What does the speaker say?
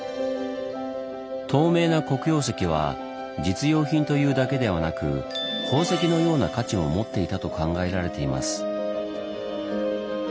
透明な黒曜石は実用品というだけではなく宝石のような価値も持っていたと考えられています。